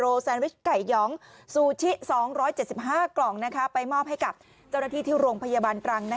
แซนริชไก่หยองซูชิ๒๗๕กล่องไปมอบให้กับเจ้าหน้าที่ที่โรงพยาบาลตรัง